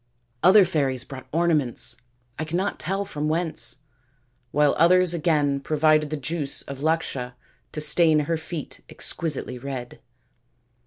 Other fairies brought ornaments I cannot tell from whence while others again provided the juice of l&csha to stain her feet exquisitely red."